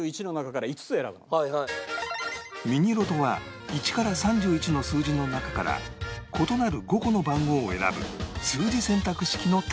ミニロトは１から３１の数字の中から異なる５個の番号を選ぶ数字選択式の宝くじ